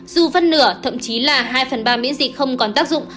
dù phân nửa thậm chí là hai phần ba miễn dịch không còn tác dụng